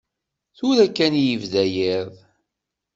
Tura kan i yebda yiḍ.